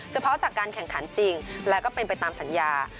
เฉพาะจากการแข่งขันจริงและก็เป็นไปตามสัญญา